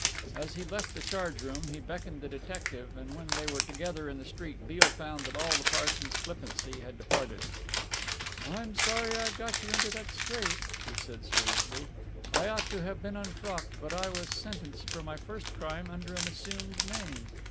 As he left the charge room he beckoned the detective, and when they were together in the street Beale found that all the Parson's flippancy had departed. "I'm sorry I got you into that scrape," he said seriously. "I ought to have been unfrocked, but I was sentenced for my first crime under an assumed name.